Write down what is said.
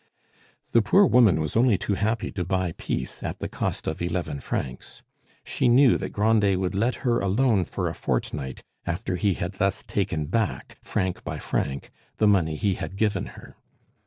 The poor woman was only too happy to buy peace at the cost of eleven francs. She knew that Grandet would let her alone for a fortnight after he had thus taken back, franc by franc, the money he had given her.